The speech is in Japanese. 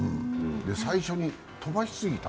最初に飛ばし過ぎた？